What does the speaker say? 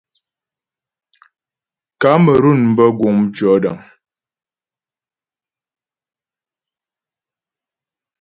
Kamerun bə guŋ mtʉɔ̌dəŋ.